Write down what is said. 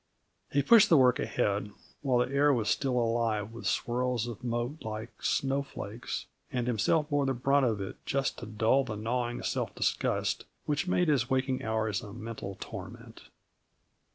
He pushed the work ahead while the air was still alive with swirls of mote like snowflakes, and himself bore the brunt of it just to dull that gnawing self disgust which made his waking hours a mental torment.